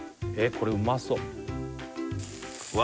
これうまそううわ